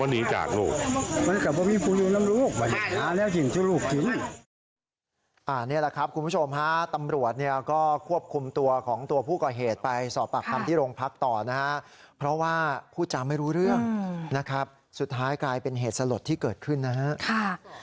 นี่แหละครับคุณผู้ชมฮะตำรวจเนี่ยก็ควบคุมตัวของตัวผู้ก่อเหตุไปสอบปากคำที่โรงพักต่อนะฮะเพราะว่าพูดจาไม่รู้เรื่องนะครับสุดท้ายกลายเป็นเหตุสลดที่เกิดขึ้นนะฮะ